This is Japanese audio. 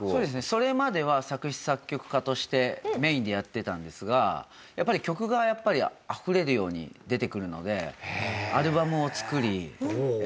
それまでは作詞作曲家としてメインでやっていたんですがやっぱり曲があふれるように出てくるので。